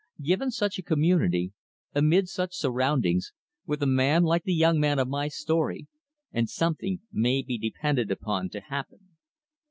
Given such a community, amid such surroundings, with a man like the young man of my story, and something may be depended upon to happen.